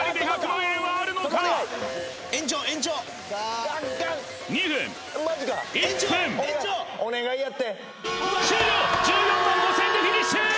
１４万５０００円でフィニッシュ！